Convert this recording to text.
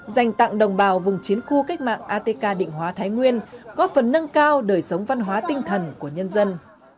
dành tặng đồng bào vùng chiến khu cách mạng atk định hóa thái nguyên góp phần nâng cao đời sống văn hóa tinh thần của nhân dân